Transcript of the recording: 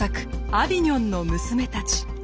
「アヴィニョンの娘たち」。